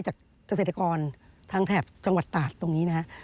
จากเกษตรกรทางแถบจังหวัดตาดตรงนี้นะฮะ